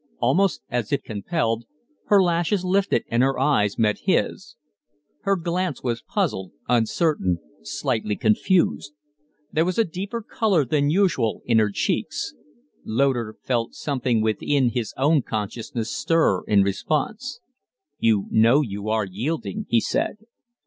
Almost as if compelled, her lashes lifted and her eyes met his. Her glance was puzzled, uncertain, slightly confused. There was a deeper color than usual in her cheeks. Loder felt something within his own consciousness stir in response. "You know you are yielding," he said.